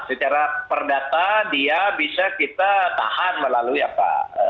secara perdata dia bisa kita tahan melalui apa